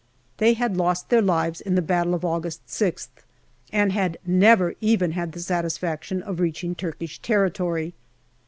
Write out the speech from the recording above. They had lost their lives in the battle of August 6th, and had never even had the satisfaction of reaching Turkish territory.